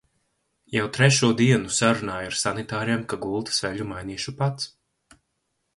Jau trešo dienu sarunāju ar sanitāriem, ka gultas veļu mainīšu pats.